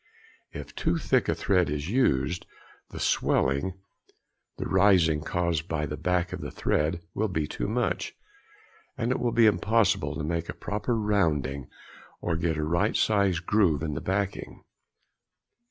If too thick a thread is used, the swelling (the rising caused in the back by the thread) will be too much, and it will be impossible to make a proper rounding or get a right size "groove" in backing.